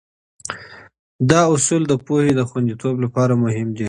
دا اصول د پوهې د خونديتوب لپاره مهم دي.